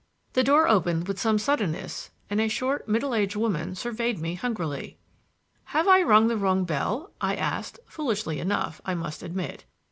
The door opened with some suddenness and a short, middle aged woman surveyed me hungrily. "Have I rung the wrong bell?" I asked foolishly enough, I must admit.